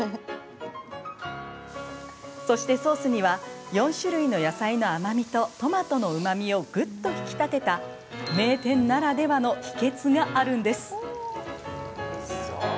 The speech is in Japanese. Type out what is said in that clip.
そしてソースには４種類の野菜の甘みとトマトのうまみをぐっと引き立てた名店ならではの秘けつがあるんです。